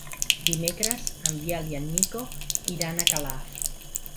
Dimecres en Biel i en Nico iran a Calaf.